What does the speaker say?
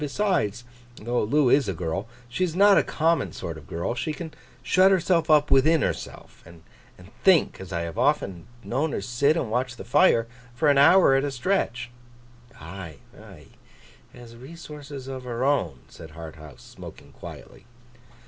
Besides, though Loo is a girl, she's not a common sort of girl. She can shut herself up within herself, and think—as I have often known her sit and watch the fire—for an hour at a stretch.' 'Ay, ay? Has resources of her own,' said Harthouse, smoking quietly.